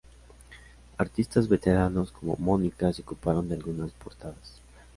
Artistas veteranos como "Mónica" se ocuparon de algunas portadas.